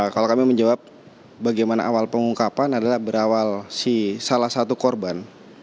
kalau kami menjawab bagaimana awal pengungkapan adalah berawal si salah satu korban